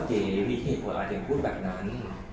เก๋มีเหตุผลอาทีงค์พูดแบบนั้น